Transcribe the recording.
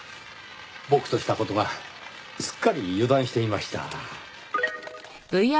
僕とした事がすっかり油断していました。